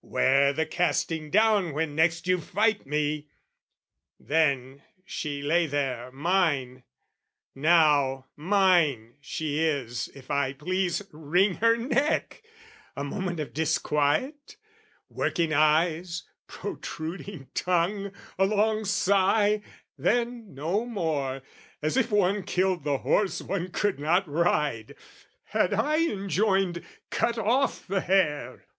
'Ware the casting down "When next you fight me!" Then, she lay there, mine: Now, mine she is if I please wring her neck, A moment of disquiet, working eyes, Protruding tongue, a long sigh, then no more As if one killed the horse one could not ride! Had I enjoined "Cut off the hair!"